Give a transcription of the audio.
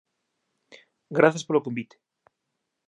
Grazas polo convite.